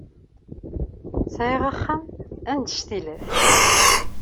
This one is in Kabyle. Sɛiɣ axxam annect-ilat.